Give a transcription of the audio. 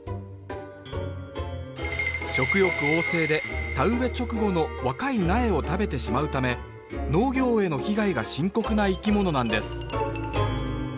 食欲旺盛で田植え直後の若い苗を食べてしまうため農業への被害が深刻な生き物なんです